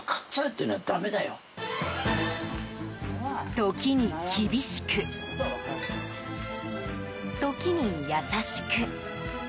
時に厳しく、時に優しく。